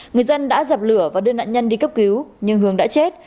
người dân đã dập lửa và đưa nạn nhân đi cấp cứu nhưng hường đã chết